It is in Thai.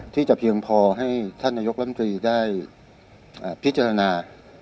ที่จะเพียงพอให้ท่านนายกรรมตรีได้พิจารณา